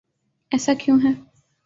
ایسا کیوں ہے؟